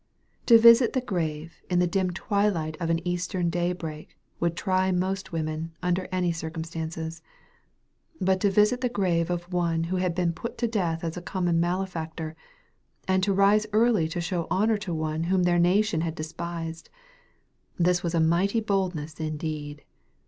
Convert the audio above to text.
To visit the grave in the dim twilight of an eastern day break, would try most women, under any circumstances. But to visit the grave of one who had been put to death as a common malefactor, and to rise early to show honor to one whom their nation had despised, this was a mighty boldness indeed.